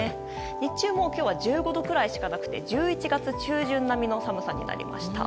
日中も今日は１５度くらいしかなくて１１月中旬並みの寒さになりました。